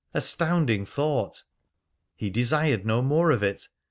Astounding thought! He desired no more of it.